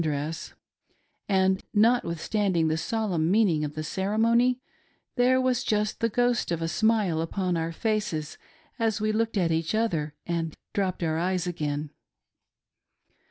dress ; and notwithstanding the solemn meaning of the ceremony, there was just the ghost of a smile upon our faces as we looked at each other and dropped our eyes again.